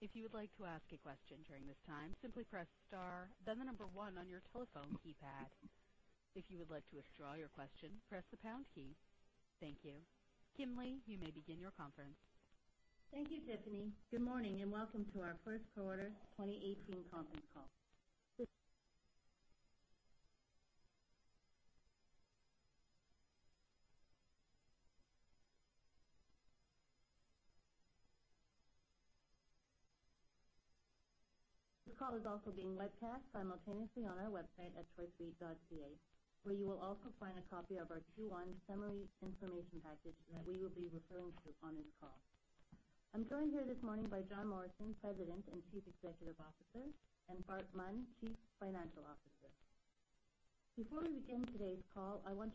If you would like to ask a question during this time, simply press star then the number one on your telephone keypad. If you would like to withdraw your question, press the pound key. Thank you. Kim Lee, you may begin your conference. Thank you, Tiffany. Good morning and welcome to our first quarter 2018 conference call. This call is also being webcast simultaneously on our website at choicereit.ca where you will also find a copy of our Q1 summary information package that we will be referring to on this call. I'm joined here this morning by John Morrison, President and Chief Executive Officer, and Bart Munn, Chief Financial. Before we begin today's call, I want.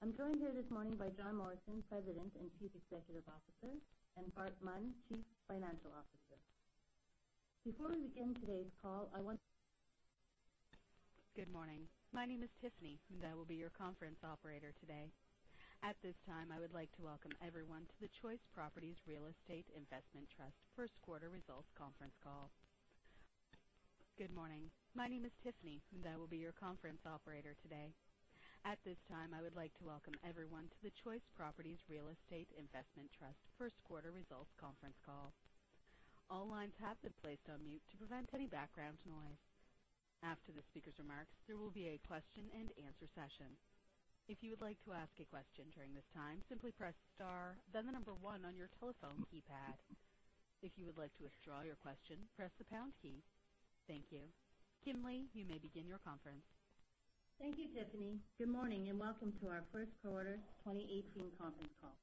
Good morning. My name is Tiffany, and I will be your conference operator today. At this time, I would like to welcome everyone to the Choice Properties Real Estate Investment Trust First Quarter Results Conference Call. Good morning. My name is Tiffany, and I will be your conference operator today. At this time, I would like to welcome everyone to the Choice Properties Real Estate Investment Trust First Quarter Results Conference Call. All lines have been placed on mute to prevent any background noise. After the speaker's remarks, there will be a question and answer session. If you would like to ask a question during this time, simply press star, then the number one on your telephone keypad. If you would like to withdraw your question, press the pound key. Thank you. Kim Lee, you may begin your conference. Thank you, Tiffany. Good morning and welcome to our first quarter 2018 conference call.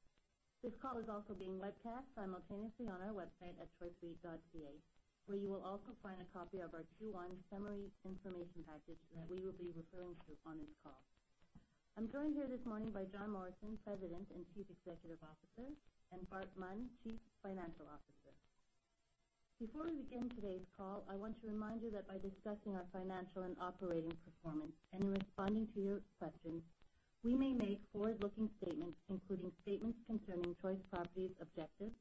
This call is also being webcast simultaneously on our website at choicereit.ca, where you will also find a copy of our Q1 summary information package that we will be referring to on this call. I'm joined here this morning by John Morrison, President and Chief Executive Officer, and Bart Munn, Chief Financial Officer. Before we begin today's call, I want to remind you that by discussing our financial and operating performance and in responding to your questions, we may make forward-looking statements, including statements concerning Choice Properties objectives,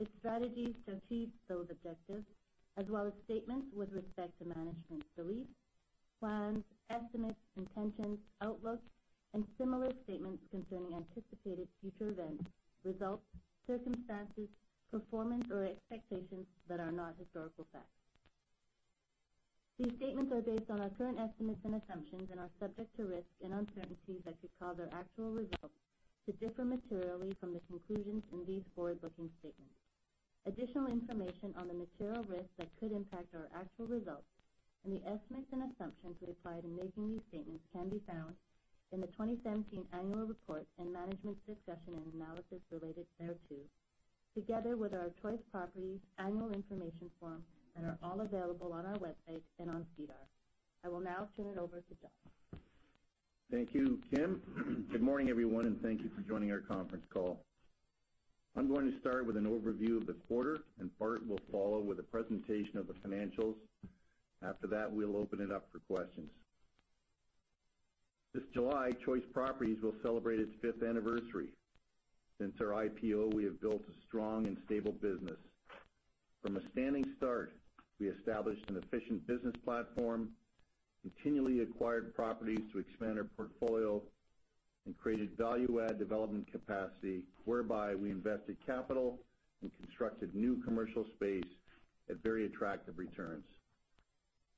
its strategies to achieve those objectives, as well as statements with respect to management's beliefs, plans, estimates, intentions, outlooks, and similar statements concerning anticipated future events, results, circumstances, performance, or expectations that are not historical facts. These statements are based on our current estimates and assumptions and are subject to risks and uncertainties that could cause our actual results to differ materially from the conclusions in these forward-looking statements. Additional information on the material risks that could impact our actual results and the estimates and assumptions we applied in making these statements can be found in the 2017 annual report and management's discussion and analysis related thereto, together with our Choice Properties annual information form, and are all available on our website and on SEDAR. I will now turn it over to John. Thank you, Kim. Good morning, everyone, thank you for joining our conference call. I'm going to start with an overview of the quarter, Bart will follow with a presentation of the financials. After that, we'll open it up for questions. This July, Choice Properties will celebrate its fifth anniversary. Since our IPO, we have built a strong and stable business. From a standing start, we established an efficient business platform, continually acquired properties to expand our portfolio, and created value-add development capacity, whereby we invested capital and constructed new commercial space at very attractive returns.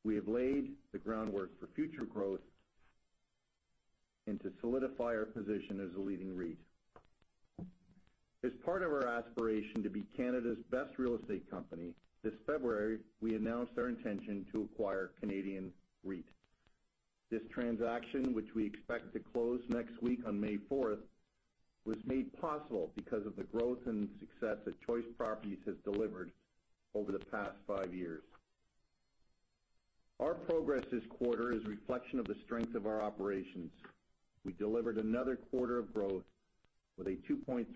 We have laid the groundwork for future growth and to solidify our position as a leading REIT. As part of our aspiration to be Canada's best real estate company, this February, we announced our intention to acquire Canadian REIT. This transaction, which we expect to close next week on May 4th, was made possible because of the growth and success that Choice Properties has delivered over the past five years. Our progress this quarter is a reflection of the strength of our operations. We delivered another quarter of growth with a 2.3%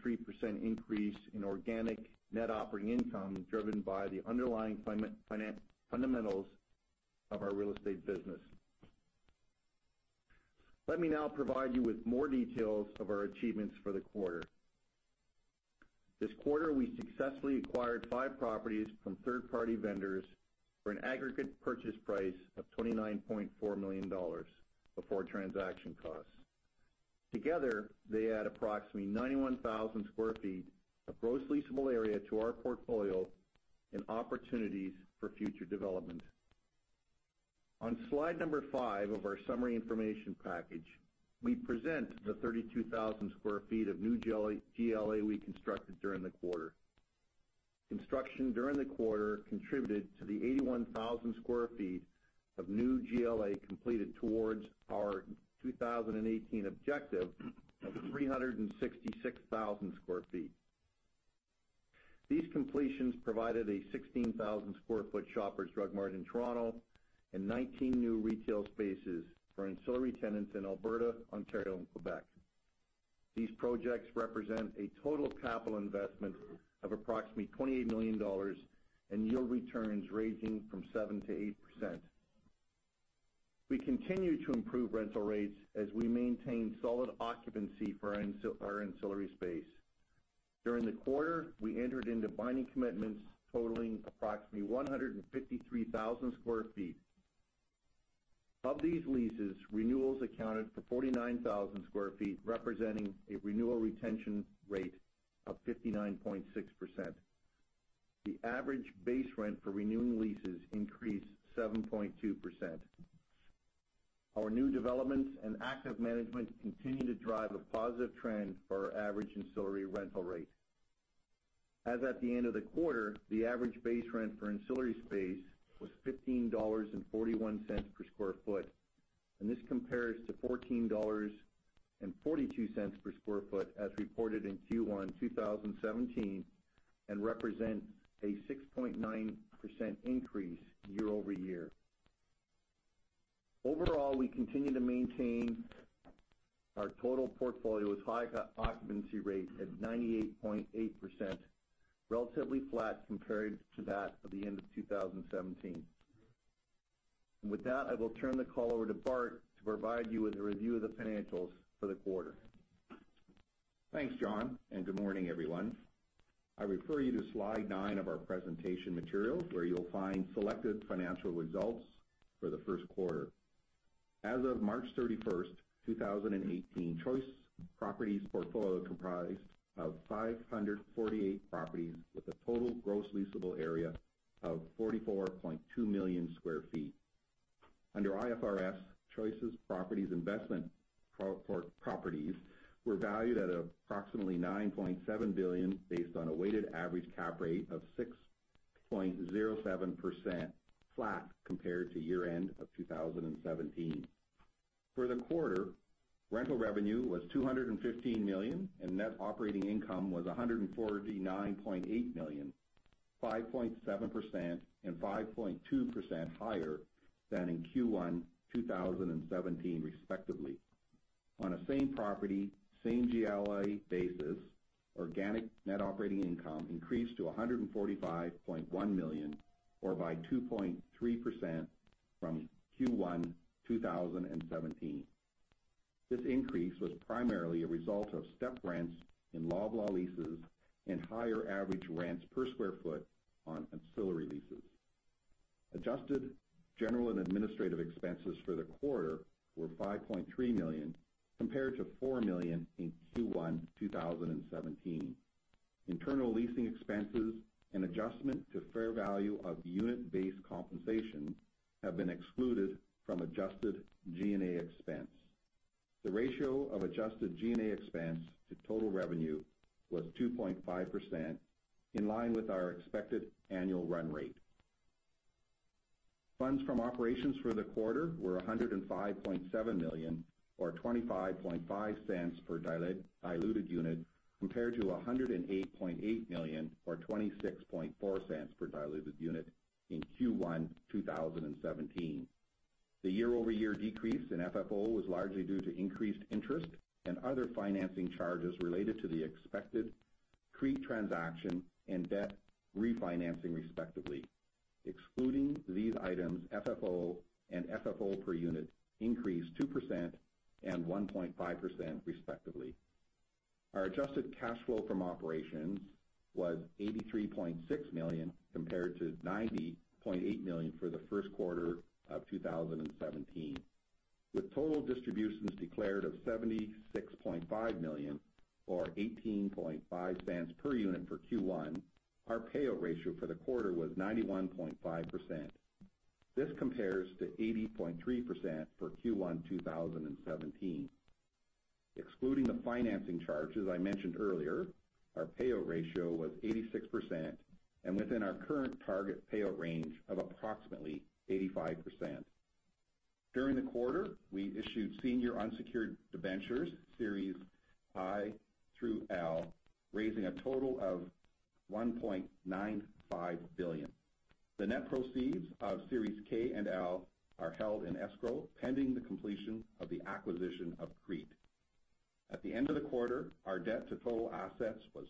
increase in organic net operating income, driven by the underlying fundamentals of our real estate business. Let me now provide you with more details of our achievements for the quarter. This quarter, we successfully acquired five properties from third-party vendors for an aggregate purchase price of 29.4 million dollars before transaction costs. Together, they add approximately 91,000 sq ft of gross leasable area to our portfolio and opportunities for future development. On slide number five of our summary information package, we present the 32,000 sq ft of new GLA we constructed during the quarter. Construction during the quarter contributed to the 81,000 sq ft of new GLA completed towards our 2018 objective of 366,000 sq ft. These completions provided a 16,000 sq ft Shoppers Drug Mart in Toronto and 19 new retail spaces for ancillary tenants in Alberta, Ontario, and Quebec. These projects represent a total capital investment of approximately 28 million dollars and yield returns ranging from 7%-8%. We continue to improve rental rates as we maintain solid occupancy for our ancillary space. During the quarter, we entered into binding commitments totaling approximately 153,000 sq ft. Of these leases, renewals accounted for 49,000 sq ft, representing a renewal retention rate of 59.6%. The average base rent for renewing leases increased 7.2%. Our new developments and active management continue to drive a positive trend for our average ancillary rental rate. As at the end of the quarter, the average base rent for ancillary space was 15.41 dollars per sq ft, this compares to 14.42 dollars per sq ft as reported in Q1 2017 and represents a 6.9% increase year-over-year. Overall, we continue to maintain our total portfolio with high occupancy rates at 98.8%, relatively flat compared to that of the end of 2017. With that, I will turn the call over to Bart to provide you with a review of the financials for the quarter. Thanks, John, and good morning, everyone. I refer you to slide nine of our presentation materials, where you will find selected financial results for the first quarter. As of March 31st, 2018, Choice Properties' portfolio comprised of 548 properties with a total gross leasable area of 44.2 million sq ft. Under IFRS, Choice Properties' investment properties were valued at approximately 9.7 billion, based on a weighted average cap rate of 6.07%, flat compared to year-end of 2017. For the quarter, rental revenue was 215 million, and net operating income was 149.8 million, 5.7% and 5.2% higher than in Q1 2017 respectively. On a same property, same GLA basis, organic net operating income increased to 145.1 million, or by 2.3% from Q1 2017. This increase was primarily a result of step rents in Loblaw leases and higher average rents per sq ft on ancillary leases. Adjusted general and administrative expenses for the quarter were 5.3 million, compared to 4 million in Q1 2017. Internal leasing expenses and adjustment to fair value of unit-based compensation have been excluded from adjusted G&A expense. The ratio of adjusted G&A expense to total revenue was 2.5%, in line with our expected annual run rate. Funds from operations for the quarter were 105.7 million, or 0.255 per diluted unit, compared to 108.8 million, or 0.264 per diluted unit in Q1 2017. The year-over-year decrease in FFO was largely due to increased interest and other financing charges related to the expected CREIT transaction and debt refinancing respectively. Excluding these items, FFO and FFO per unit increased 2% and 1.5% respectively. Our adjusted cash flow from operations was 83.6 million, compared to 90.8 million for the first quarter of 2017. With total distributions declared of 76.5 million, or 0.185 per unit for Q1, our payout ratio for the quarter was 91.5%. This compares to 80.3% for Q1 2017. Excluding the financing charge, as I mentioned earlier, our payout ratio was 86% and within our current target payout range of approximately 85%. During the quarter, we issued senior unsecured debentures, Series I through L, raising a total of 1.95 billion. The net proceeds of Series K and L are held in escrow, pending the completion of the acquisition of CREIT. At the end of the quarter, our debt to total assets was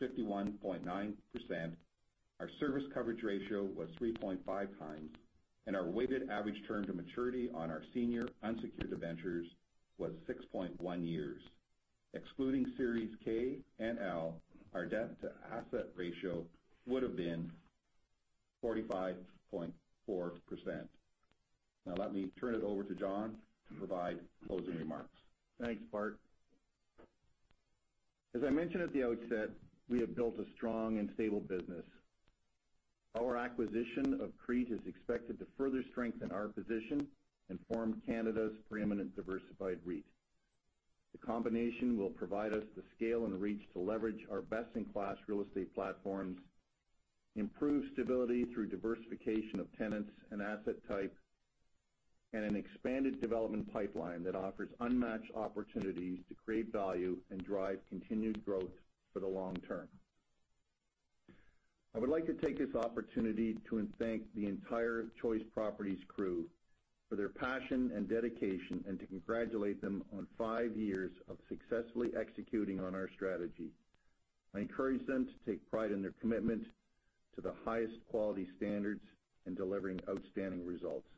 51.9%, our service coverage ratio was 3.5 times, and our weighted average term to maturity on our senior unsecured debentures was 6.1 years. Excluding Series K and L, our debt-to-asset ratio would have been 45.4%. Let me turn it over to John to provide closing remarks. Thanks, Bart. As I mentioned at the outset, we have built a strong and stable business. Our acquisition of CREIT is expected to further strengthen our position and form Canada's preeminent diversified REIT. The combination will provide us the scale and reach to leverage our best-in-class real estate platforms, improve stability through diversification of tenants and asset type, and an expanded development pipeline that offers unmatched opportunities to create value and drive continued growth for the long term. I would like to take this opportunity to thank the entire Choice Properties crew for their passion and dedication, and to congratulate them on five years of successfully executing on our strategy. I encourage them to take pride in their commitment to the highest quality standards and delivering outstanding results.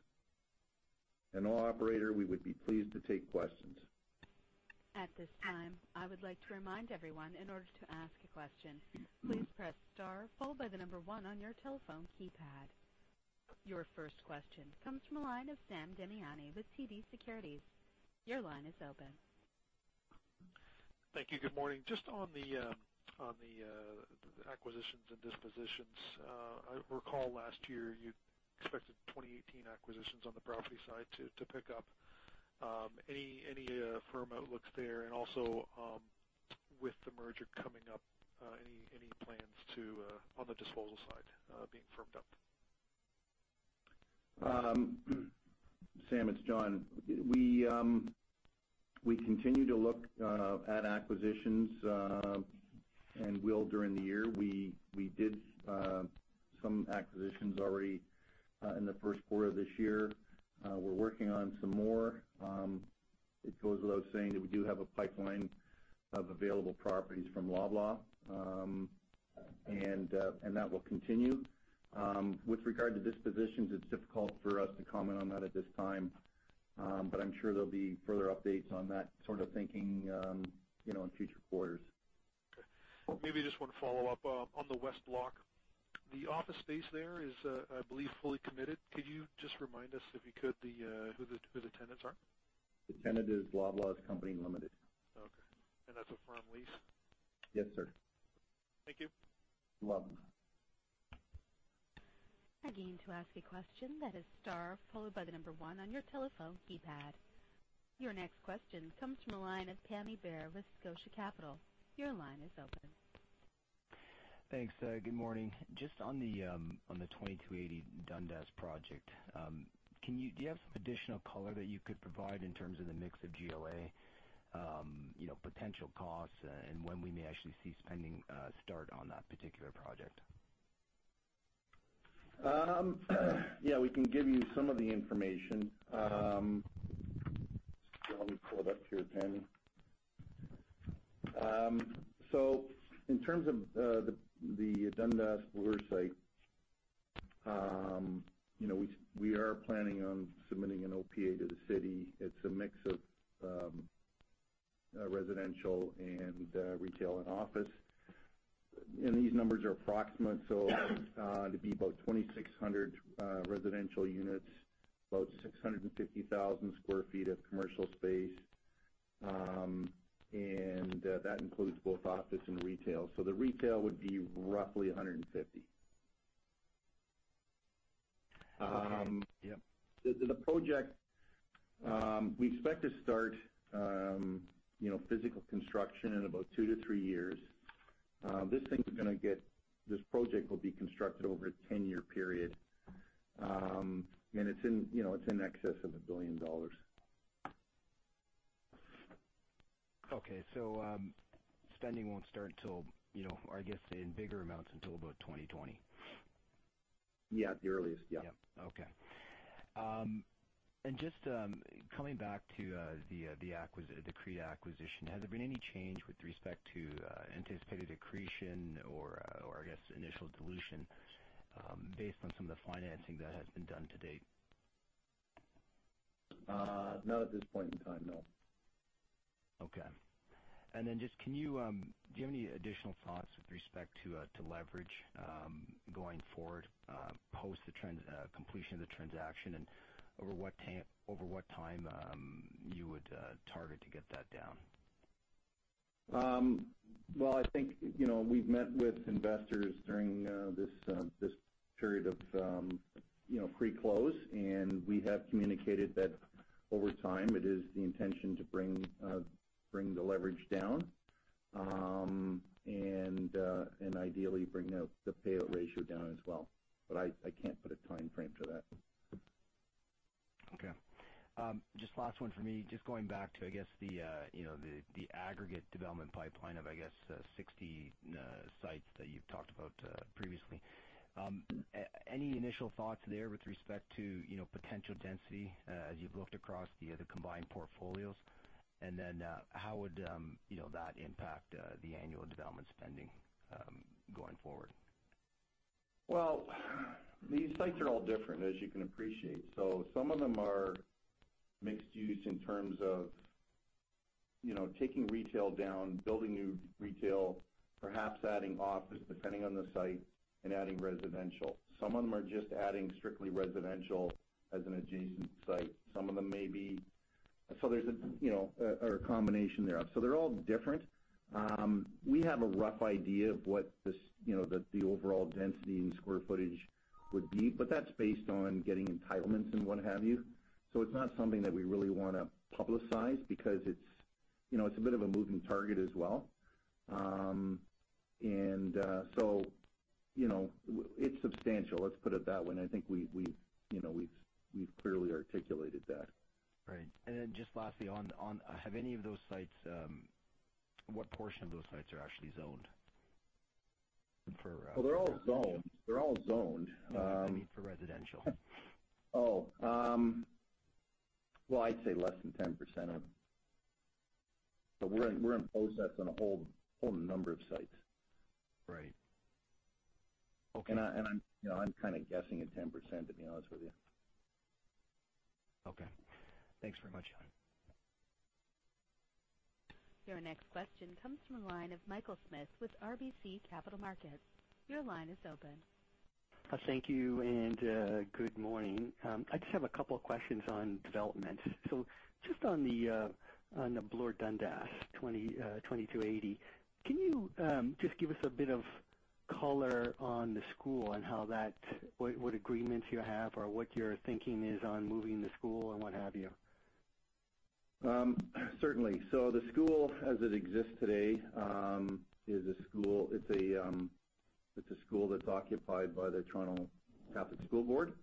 Operator, we would be pleased to take questions. At this time, I would like to remind everyone, in order to ask a question, please press star followed by the number 1 on your telephone keypad. Your first question comes from the line of Sam Damiani with TD Securities. Your line is open. Thank you. Good morning. Just on the acquisitions and dispositions. I recall last year you expected 2018 acquisitions on the property side to pick up. Any firm outlooks there? Also, with the merger coming up, any plans on the disposal side being firmed up? Sam, it's John. We continue to look at acquisitions and will during the year. We did some acquisitions already in the first quarter of this year. We're working on some more. It goes without saying that we do have a pipeline of available properties from Loblaw, that will continue. With regard to dispositions, it's difficult for us to comment on that at this time, I'm sure there'll be further updates on that sort of thinking, in future quarters. Okay. Maybe just one follow-up. On the West Block, the office space there is, I believe, fully committed. Could you just remind us, if you could, who the tenants are? The tenant is Loblaw Companies Limited. Okay. That's a firm lease? Yes, sir. Thank you. Loblaw. Again, to ask a question, that is star followed by the number 1 on your telephone keypad. Your next question comes from the line of Pammi Bir with Scotia Capital. Your line is open. Thanks. Good morning. Just on the 2280 Dundas project, do you have some additional color that you could provide in terms of the mix of GLA, potential costs, and when we may actually see spending start on that particular project? Yeah, we can give you some of the information. Let me pull it up here, Pammi. In terms of the Dundas Bloor site, we are planning on submitting an OPA to the city. It's a mix of residential and retail and office. These numbers are approximate. It'd be about 2,600 residential units, about 650,000 sq ft of commercial space. That includes both office and retail. The retail would be roughly 150. Okay. Yep. The project, we expect to start physical construction in about two to three years. This project will be constructed over a 10-year period. It's in excess of 1 billion dollars. Okay. Spending won't start till, I guess, in bigger amounts until about 2020. Yeah, at the earliest. Yeah. Yep. Okay. Just coming back to the CRE acquisition, has there been any change with respect to anticipated accretion or initial dilution, based on some of the financing that has been done to date? Not at this point in time, no. Okay. Do you have any additional thoughts with respect to leverage, going forward, post the completion of the transaction, and over what time you would target to get that down? Well, I think, we've met with investors during this period of pre-close, we have communicated that over time, it is the intention to bring the leverage down. Ideally bring the payout ratio down as well. I can't put a timeframe to that. Okay. Just last one for me. Just going back to, I guess, the aggregate development pipeline of, I guess, 60 sites that you've talked about previously. Any initial thoughts there with respect to potential density as you've looked across the combined portfolios? How would that impact the annual development spending going forward? Well, these sites are all different, as you can appreciate. Some of them are mixed use in terms of taking retail down, building new retail, perhaps adding office, depending on the site, and adding residential. Some of them are just adding strictly residential as an adjacent site. There's a combination there. They're all different. We have a rough idea of what the overall density and square footage would be, but that's based on getting entitlements and what have you. It's not something that we really want to publicize because it's a bit of a moving target as well. It's substantial, let's put it that way. I think we've clearly articulated that. Right. Just lastly on, have any of those sites-- what portion of those sites are actually zoned for- Well, they're all zoned. I mean for residential. Oh. Well, I'd say less than 10% of them. We're in process on a whole number of sites. Right. Okay. I'm kind of guessing at 10%, to be honest with you. Okay. Thanks very much. Your next question comes from the line of Michael Smith with RBC Capital Markets. Your line is open. Thank you, and good morning. I just have a couple of questions on development. Just on the Bloor Dundas 2280, can you just give us a bit of color on the school and what agreements you have or what your thinking is on moving the school and what have you? Certainly. The school, as it exists today, it's a school that's occupied by the Toronto Catholic District School Board.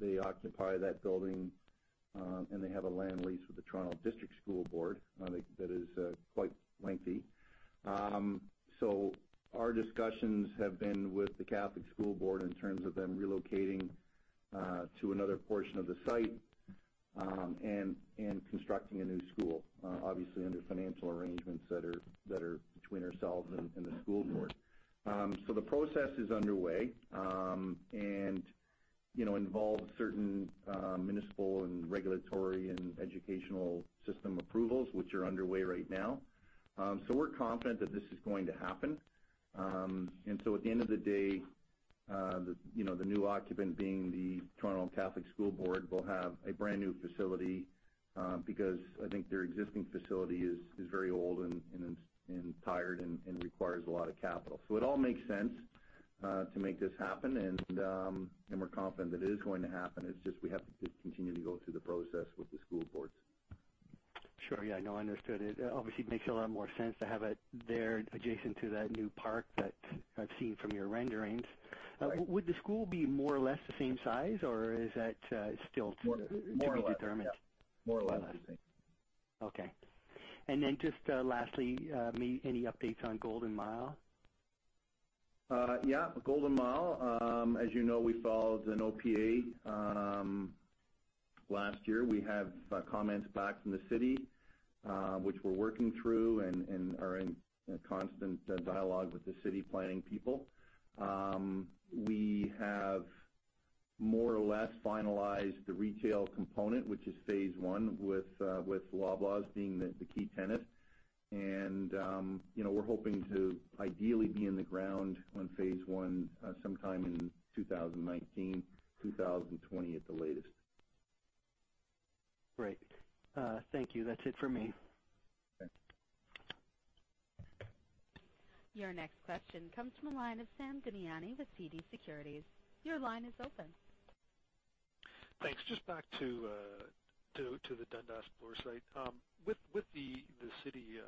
They occupy that building, and they have a land lease with the Toronto District School Board that is quite lengthy. Our discussions have been with the Catholic school board in terms of them relocating to another portion of the site, and constructing a new school, obviously under financial arrangements that are between ourselves and the school board. The process is underway, and involves certain municipal and regulatory and educational system approvals, which are underway right now. We're confident that this is going to happen. At the end of the day, the new occupant, being the Toronto Catholic District School Board, will have a brand-new facility, because I think their existing facility is very old and tired and requires a lot of capital. It all makes sense to make this happen, and we're confident that it is going to happen. It's just we have to continue to go through the process with the school boards. Sure. Yeah, no, I understood. It obviously makes a lot more sense to have it there adjacent to that new park that I've seen from your renderings. Right. Would the school be more or less the same size, or is that still? More or less. To be determined? Yeah. More or less the same. Okay. Just lastly, any updates on Golden Mile? Yeah. Golden Mile, as you know, we filed an OPA last year. We have comments back from the city, which we're working through and are in constant dialogue with the city planning people. We have more or less finalized the retail component, which is phase 1, with Loblaw being the key tenant. We're hoping to ideally be in the ground on phase 1 sometime in 2019, 2020 at the latest. Great. Thank you. That's it for me. Okay. Your next question comes from the line of Sam Damiani with TD Securities. Your line is open. Thanks. Just back to the Dundas Bloor site. With the city,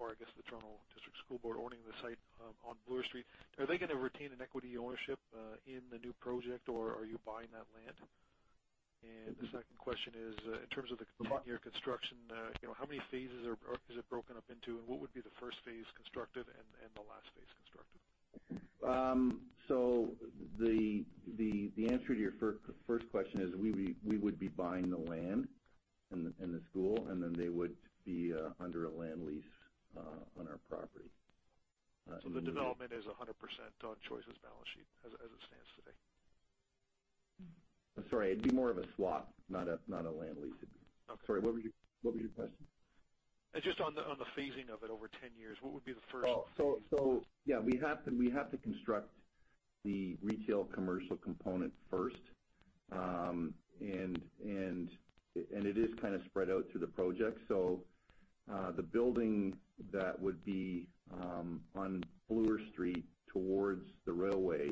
or I guess the Toronto District School Board owning the site on Bloor Street, are they going to retain an equity ownership in the new project, or are you buying that land? The second question is, in terms of the 10-year construction, how many phases is it broken up into, and what would be the first phase constructed and the last phase constructed? The answer to your first question is we would be buying the land and the school, and then they would be under a land lease on our property. The development is 100% on Choice's balance sheet as it stands today. I'm sorry, it'd be more of a swap, not a land lease. I'm sorry, what was your question? Just on the phasing of it over 10 years, what would be the first phase? We have to construct the retail commercial component first. It is kind of spread out through the project. The building that would be on Bloor Street towards the railway,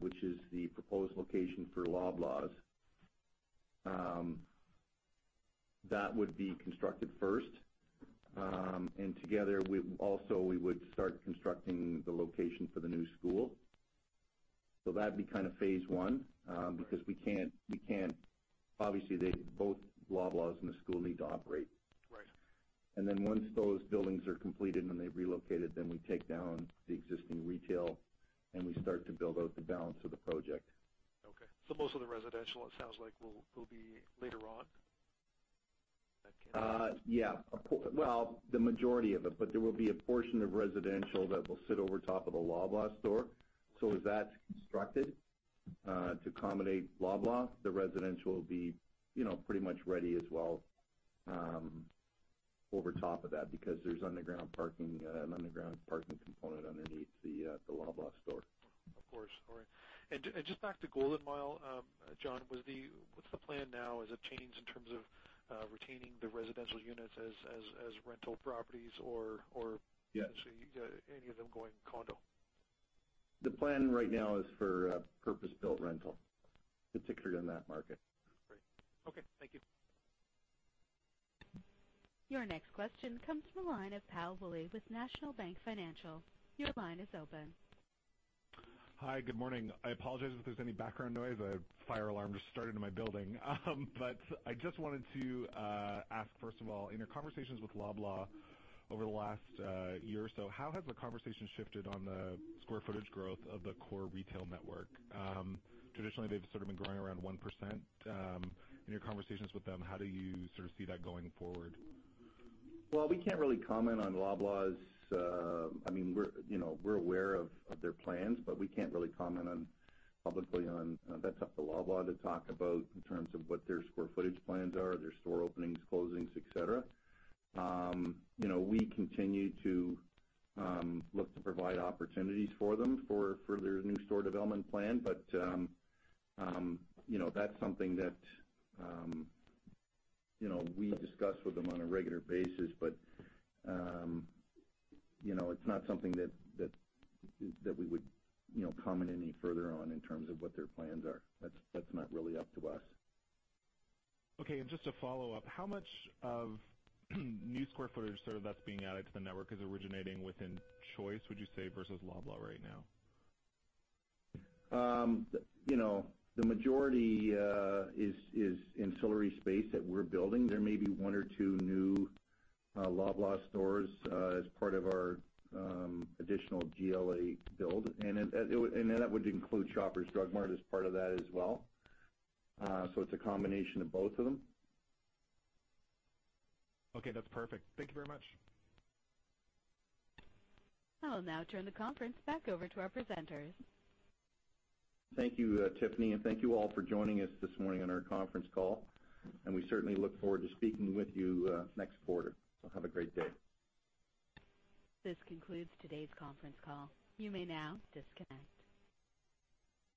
which is the proposed location for Loblaws, that would be constructed first. Together, also, we would start constructing the location for the new school. That'd be kind of phase one, because obviously, both Loblaws and the school need to operate. Right. Once those buildings are completed and they've relocated, we take down the existing retail and we start to build out the balance of the project. Okay. Most of the residential, it sounds like, will be later on? Yeah. Well, the majority of it, but there will be a portion of residential that will sit over top of the Loblaw store. As that's constructed to accommodate Loblaw, the residential will be pretty much ready as well over top of that, because there's an underground parking component underneath the Loblaw store. Of course. All right. Just back to Golden Mile, John, what's the plan now? Has it changed in terms of retaining the residential units as rental properties? Yeah any of them going condo? The plan right now is for purpose-built rental, particularly in that market. Great. Okay, thank you. Your next question comes from the line of Tal Woolley with National Bank Financial. Your line is open. Hi. Good morning. I apologize if there's any background noise. A fire alarm just started in my building. I just wanted to ask, first of all, in your conversations with Loblaw over the last year or so, how has the conversation shifted on the square footage growth of the core retail network? Traditionally, they've sort of been growing around 1%. In your conversations with them, how do you sort of see that going forward? Well, we can't really comment on Loblaws. We're aware of their plans, but we can't really comment publicly on. That's up to Loblaw to talk about in terms of what their square footage plans are, their store openings, closings, et cetera. We continue to look to provide opportunities for them for their new store development plan. That's something that we discuss with them on a regular basis. It's not something that we would comment any further on in terms of what their plans are. That's not really up to us. Okay. Just a follow-up, how much of new square footage sort of that's being added to the network is originating within Choice, would you say, versus Loblaw right now? The majority is ancillary space that we're building. There may be one or two new Loblaw stores as part of our additional GLA build. That would include Shoppers Drug Mart as part of that as well. It's a combination of both of them. Okay. That's perfect. Thank you very much. I will now turn the conference back over to our presenters. Thank you, Tiffany, and thank you all for joining us this morning on our conference call, and we certainly look forward to speaking with you next quarter. Have a great day. This concludes today's conference call. You may now disconnect.